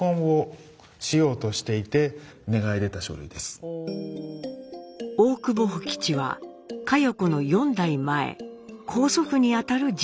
こちらは大久保甫吉は佳代子の４代前高祖父にあたる人物です。